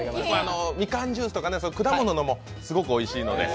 みかんジュースとか果物のもすごくおいしいので。